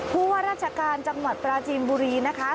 ผู้ว่าราชการจังหวัดปราจีนบุรีนะคะ